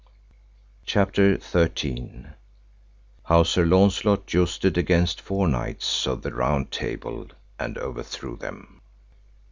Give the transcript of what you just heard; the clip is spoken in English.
CHAPTER XIII. How Sir Launcelot jousted against four knights of the Round Table and overthrew them.